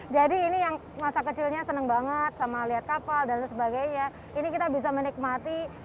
jadi ini yang masa kecilnya seneng banget sama lihat kapal dan sebagainya ini kita bisa menikmati